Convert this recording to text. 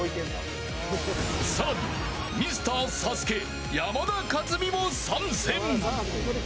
更に、ミスターＳＡＳＵＫＥ山田勝己も参戦！